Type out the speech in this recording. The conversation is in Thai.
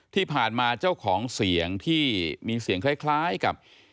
ที่ผ่านมาเจ้าของเสียงที่มีเสียงคล้ายกับ